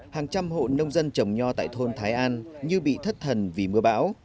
hàng trăm hộ nông dân trồng nho tại thôn thái an như bị thất thần vì mưa bão